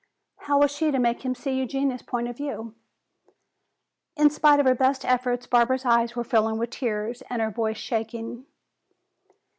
How was she to make him see Eugenia's point of view? In spite of her best efforts Barbara's eyes were filling with tears and her voice shaking.